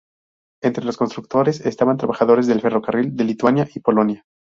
Entre los Constructores estaban trabajadores del ferrocarril de Lituania y Polonia.